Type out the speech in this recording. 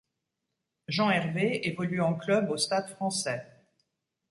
Jean Hervé évolue en club au Stade français.